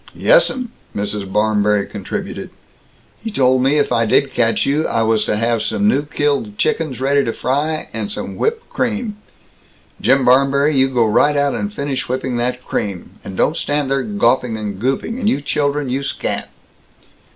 "Yessum," Mrs. Barmberry contributed, "he told me if I did catch you, I was to have some new killed chickens ready to fry, and some whipped cream Jim Barmberry, you go right out and finish whipping that cream, and don't stand there gawping and gooping, and you children, you scat!"